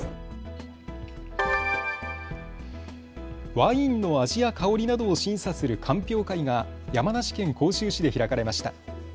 ワインの味や香りなどを審査する鑑評会が山梨県甲州市で開かれました。